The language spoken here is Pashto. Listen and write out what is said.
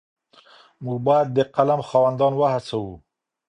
موږ بايد د قلم خاوندان وهڅوو.